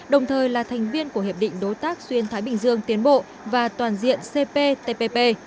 đồng thời là thành viên của hiệp định đối tác xuyên thái bình dương tiến bộ và toàn diện cptpp